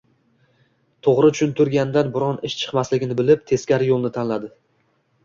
To`g`ri tushuntirganidan biron ish chiqmasligini bilib, teskari yo`lni tanladi